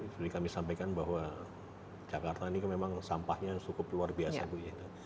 dari kami sampaikan bahwa jakarta ini memang sampahnya cukup luar biasa